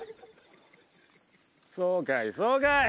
そうかいそうかい。